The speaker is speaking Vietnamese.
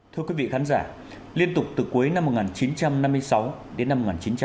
thưa quý vị khán giả liên tục từ cuối năm một nghìn chín trăm năm mươi sáu đến năm một nghìn chín trăm tám mươi